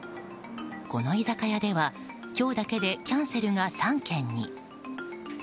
この居酒屋では今日だけでキャンセルが３件に。